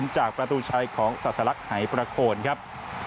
จากประตูชัยของศาสลักหายประโคนครับ